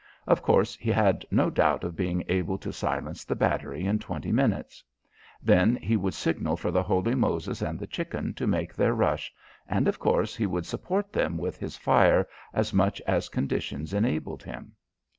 Of course he had no doubt of being able to silence the battery in twenty minutes. Then he would signal for the Holy Moses and the Chicken to make their rush, and of course he would support them with his fire as much as conditions enabled him.